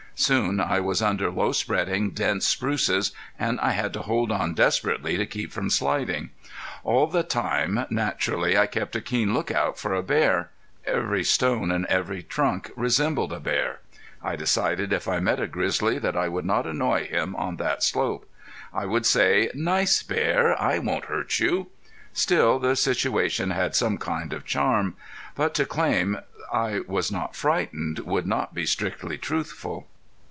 Soon I was under low spreading, dense spruces, and I had to hold on desperately to keep from sliding. All the time naturally I kept a keen lookout for a bear. Every stone and tree trunk resembled a bear. I decided if I met a grizzly that I would not annoy him on that slope. I would say: "Nice bear, I won't hurt you!" Still the situation had some kind of charm. But to claim I was not frightened would not be strictly truthful.